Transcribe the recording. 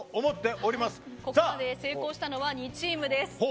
ここまで成功したのは２チームです。